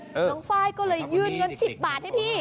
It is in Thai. น้องไฟร์ก็เลยยืดเงิน๑๐บาทให้พี่